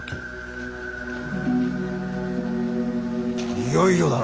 いよいよだな。